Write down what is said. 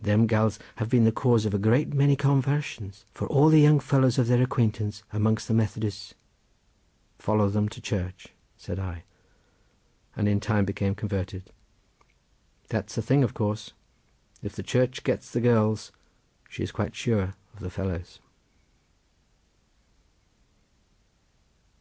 Them gals have been the cause of a great many convarsions, for all the young fellows of their acquaintance amongst the Methodists—" "Follow them to church," said I, "and in time become converted. That's a thing of course. If the Church gets the girls she is quite sure of the fellows."